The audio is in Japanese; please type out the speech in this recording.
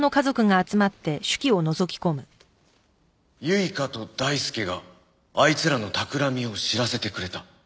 「唯香と大輔があいつらの企みを知らせてくれた」